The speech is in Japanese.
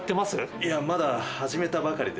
いや、まだ始めたばかりで。